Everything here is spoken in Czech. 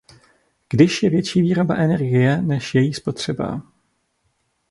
Když je větší výroba energie než její spotřeba.